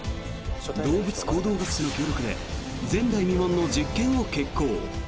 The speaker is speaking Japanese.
動物行動学者の協力で前代未聞の実験を決行。